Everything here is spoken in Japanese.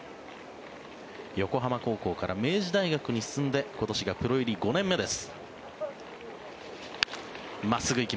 横浜高校から明治大学に進んで今年がプロ入り５年目です。